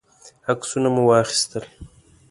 عکسونه مو واخیستل.